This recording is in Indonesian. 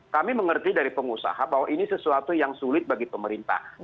kami mengerti dari pengusaha bahwa ini sesuatu yang sulit bagi pemerintah